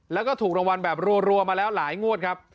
แล้วก็ถูกรางวัลแบบรัวมาแล้วหลายงวดครับ